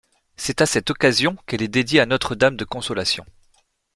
C'est à cette occasion qu'elle est dédiée à Notre Dame de Consolation.